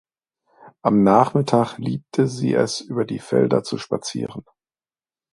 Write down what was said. Am Nachmittag liebte sie es, über die Felder zu spazieren.